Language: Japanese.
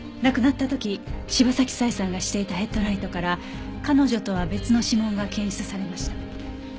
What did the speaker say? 亡くなった時柴崎佐江さんがしていたヘッドライトから彼女とは別の指紋が検出されました。